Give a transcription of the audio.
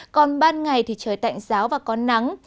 còn ban ngày thì trời tạnh giáo và có nắng